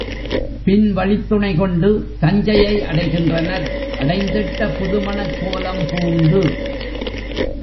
பின் வழித்துணை கொண்டு தஞ்சையை அடைகின்றனர், அடைந்திட்ட புதுமணக் கோலம் பூண்டு!